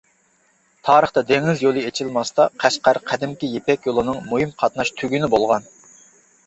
تارىختا دېڭىز يولى ئېچىلماستا، قەشقەر قەدىمكى «يىپەك يولى» نىڭ مۇھىم قاتناش تۈگۈنى بولغان.